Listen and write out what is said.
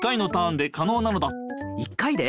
１回で？